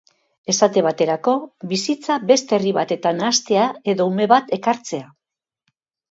Esate baterako, bizitza beste herri batetan hastea edo ume bat ekartzea.